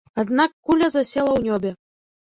Аднак куля засела ў нёбе.